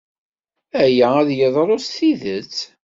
Aya ad yeḍru s tidet?